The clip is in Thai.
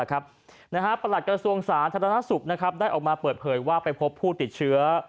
ประหลักกระทรวงศาสตร์ธรรมนักศึกษ์ได้ออกมาเปิดเผยว่าไปพบผู้ติดเชื้อ